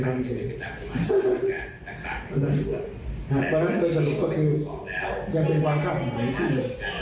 แต่ว่าเฉพาะนั้นโดยสมมุติก็คือจะเป็นความคาดหน่อยขึ้น